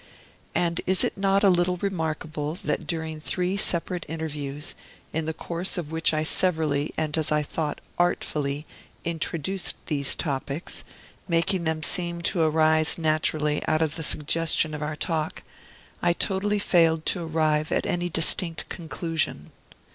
And it is not a little remarkable that during three separate interviews, in the course of which I severally, and as I thought artfully, introduced these topics, making them seem to arise naturally out of the suggestion of our talk, I totally failed to arrive at any distinct conclusion.